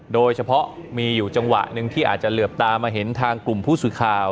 โดยเฉพาะมีอยู่จังหวะหนึ่งที่อาจจะเหลือบตามาเห็นทางกลุ่มผู้สื่อข่าว